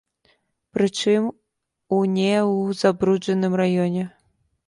Прычым у не ў забруджаным раёне!